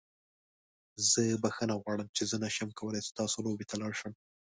زه بخښنه غواړم چې زه نشم کولی ستاسو لوبې ته لاړ شم.